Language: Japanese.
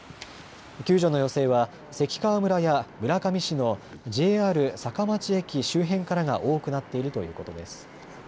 救助の要請は関川村や村上市のＪＲ坂町駅周辺からが多くなっているということです。